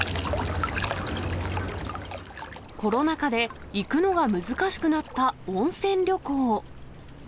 コロナ禍で、行くのが難しくなった温泉旅行。